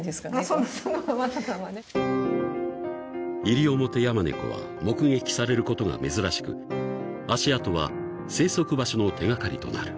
［イリオモテヤマネコは目撃されることが珍しく足跡は生息場所の手掛かりとなる］